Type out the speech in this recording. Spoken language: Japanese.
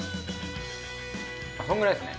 そのくらいですね。